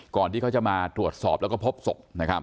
ก่อนที่เขาจะมาตรวจสอบแล้วก็พบศก